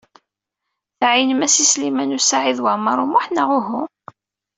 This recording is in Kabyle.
Tɛeyynem-as i Sliman U Saɛid Waɛmaṛ U Muḥ, neɣ uhu?